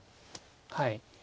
はい。